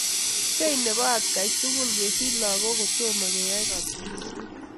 Kei nebo atkaan tugul kesich lagook kotomo keyai katunisyet